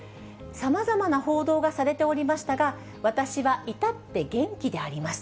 さまざまな報道がされておりましたが、私は至って元気であります。